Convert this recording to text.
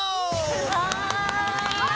はい！